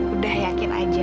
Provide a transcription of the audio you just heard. udah yakin aja